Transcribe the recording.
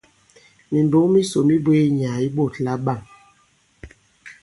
Mìmbɔ̌k misò mi bwě yi nyàà yi ɓôt labâm.